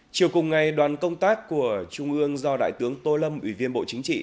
chiều cùng ngày đoàn công tác của trung ương do đại tướng tô lâm ủy viên bộ chính trị